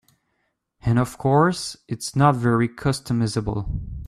And of course, it's not very customizable.